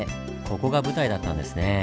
ここが舞台だったんですねぇ。